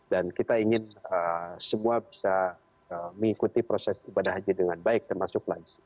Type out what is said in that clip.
dan kita ingin semua bisa mengikuti proses ibadah haji dengan baik termasuk lansia